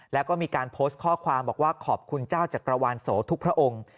แล้วก็มีการโพสต์ข้อความบอกว่าขอบคุณเจ้าจักรวาลโสทุกพระองค์